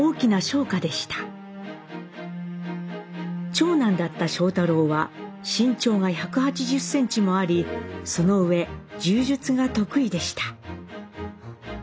長男だった庄太郎は身長が１８０センチもありその上柔術が得意でした。